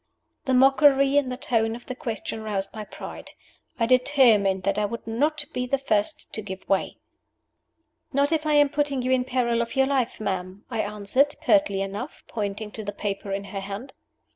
The mockery in the tone of the question roused my pride. I determined that I would not be the first to give way. "Not if I am putting you in peril of your life, ma'am," I answered, pertly enough, pointing to the paper in her hand.